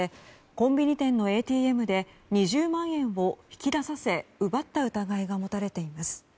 コンビニ店のＡＴＭで２０万円を引き出させ奪った疑いが持たれています。